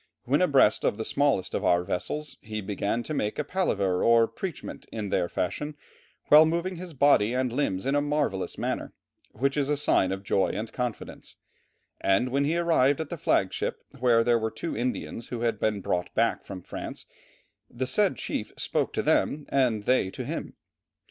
When abreast of the smallest of our vessels he began to make a palaver or preachment in their fashion, while moving his body and limbs in a marvellous manner, which is a sign of joy and confidence, and when he arrived at the flag ship where were the two Indians who had been brought back from France, the said chief spoke to them and they to him.